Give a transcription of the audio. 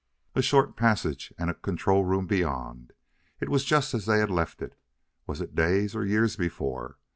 A short passage and a control room beyond! It was just as they had left it; was it days or years before?